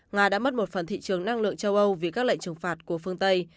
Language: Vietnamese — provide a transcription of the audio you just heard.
nga đã mất một phần thị trường năng lượng châu âu vì các lệnh trừng phạt của phương tây